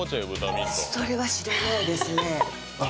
それは知らないですね